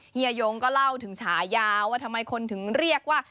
เฮียยงก็เล่าถึงฉายาวว่าทำไมคนถึงเรียกว่า